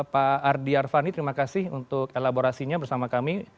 pak ardi arvani terima kasih untuk elaborasinya bersama kami